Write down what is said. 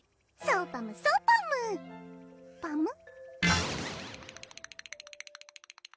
そうパムそうパムパム？